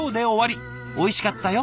おいしかったよ。